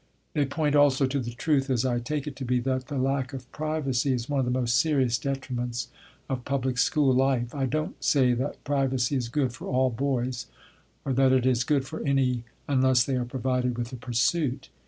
They point also to the truth, as I take it to be, that the lack of privacy is one of the most serious detriments of public school life. I don't say that privacy is good for all boys, or that it is good for any unless they are provided with a pursuit.